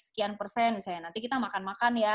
sekian persen misalnya nanti kita makan makan ya